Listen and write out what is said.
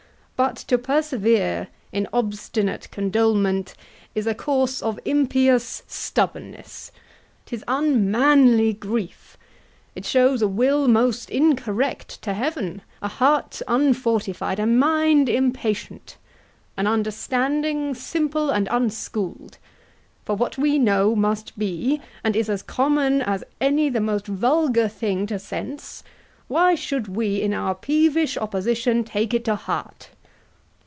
But to persevere In obstinate condolement is a course Of impious stubbornness. 'Tis unmanly grief, It shows a will most incorrect to heaven, A heart unfortified, a mind impatient, An understanding simple and unschool'd; For what we know must be, and is as common As any the most vulgar thing to sense, Why should we in our peevish opposition Take it to heart?